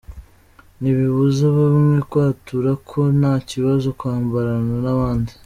Ntibibuza bamwe kwatura ko nta kibazo kwambarana n’abandi.